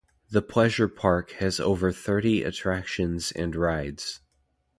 The Pleasure Park has over thirty attractions and rides.